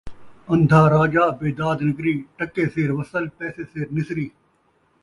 اندھا راجہ بیداد نگری، ٹکے سیر وصل پیسے سیر نسری